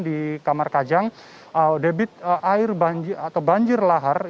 di kamar kajang debit air atau banjir lahar